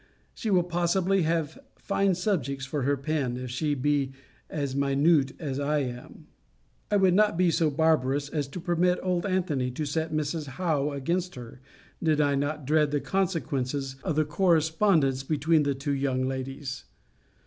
She will possibly have fine subjects for her pen, if she be as minute as I am. I would not be so barbarous as to permit old Antony to set Mrs. Howe against her, did I not dread the consequences of the correspondence between the two young ladies.